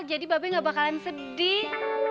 jadi babe gak bakalan sedih